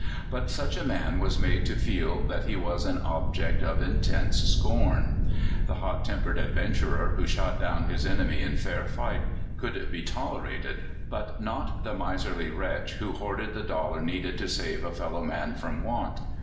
But such a man was made to feel that he was an object of intense scorn. The hot tempered adventurer w^ho shot dow^n his enemy in fair fight could be toler ated, but not the miserly wretch who hoarded the dollar needed to save a fellow man from want.